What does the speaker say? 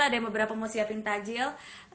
ada yang beberapa mau siapin tajil